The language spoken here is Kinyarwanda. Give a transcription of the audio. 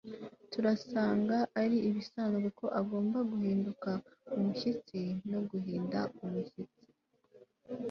Turasanga ari ibisanzwe ko agomba guhinduka umushyitsi no guhinda umushyitsi